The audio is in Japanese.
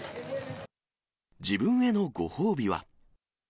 自分へのご褒美は。